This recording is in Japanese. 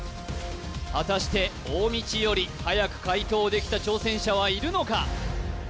果たして大道よりはやく解答できた挑戦者はいるのか？